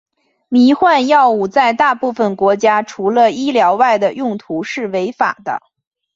迷幻药物在大部分国家除了医疗外的用途是违法的。